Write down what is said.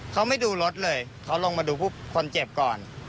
เขาไม่ดูรถเลยเขาลงมาดูผู้คนเจ็บก่อน